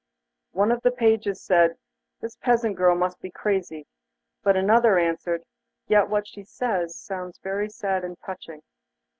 One of the pages said: 'This peasant girl must be crazy;' but another answered: 'Yet what she says sounds very sad and touching.